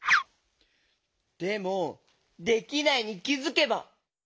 でも「できないに気づけば」？